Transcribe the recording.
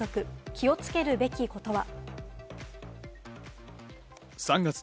気をつけるべきことは。